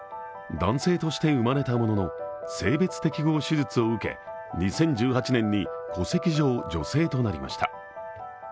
男性として生まれたものの、性別適合手術を受け、２０１８年に戸籍上女性となりました。